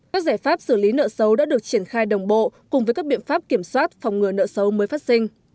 các giải pháp xử lý nợ xấu đã được triển khai đồng bộ cùng với các biện pháp kiểm soát phòng ngừa nợ xấu mới phát sinh